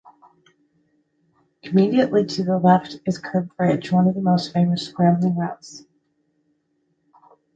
Immediately to the left is Curved Ridge, one of the most famous scrambling routes.